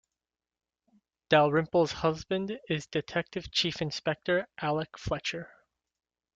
Dalrymple's husband is Detective Chief Inspector Alec Fletcher.